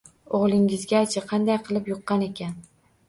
O`g`lingizga-chi, qanday qilib yuqqan ekan